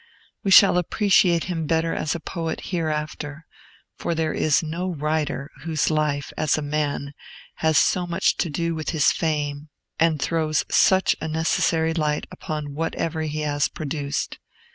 We shall appreciate him better as a poet, hereafter; for there is no writer whose life, as a man, has so much to do with his fame, and throws such a necessary light, upon whatever he has produced.